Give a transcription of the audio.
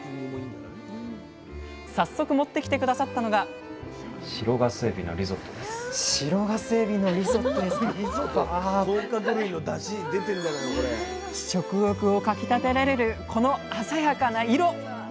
早速持ってきて下さったのが食欲をかきたてられるこの鮮やかな色！